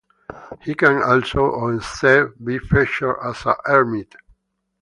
He can also or instead be featured as a hermit.